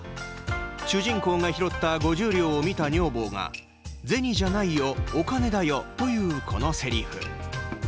主人公が拾った５０両を見た女房が「銭じゃないよ、お金だよ」と言う、このせりふ。